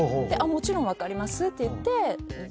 もちろん分かりますと言って。